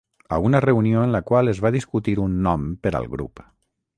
A una reunió en la qual es va discutir un nom per al grup.